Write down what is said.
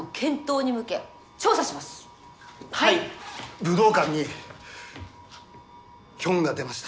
武道館にキョンが出ました。